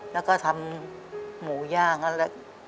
แล้วก็ทำหมูย่างอะไร